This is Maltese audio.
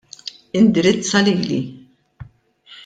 Indirizza lili.